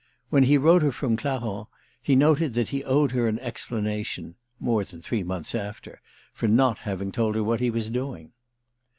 When he wrote her from Clarens he noted that he owed her an explanation (more than three months after!) for not having told her what he was doing.